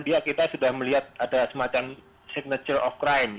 dia kita sudah melihat ada semacam signature of crime